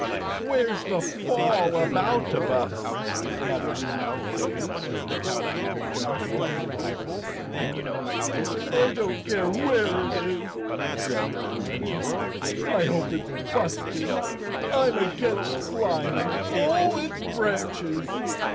"Where's the Fallaboutabus?" muttered Notta thickly, as the Cowardly Lion stumbled over the sill. "I don't care where it is," groaned the lion. "I hope it's busted. I'm against flying in all its branches."